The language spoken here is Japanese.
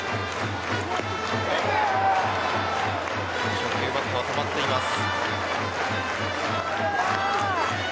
初球、バットは止まっています。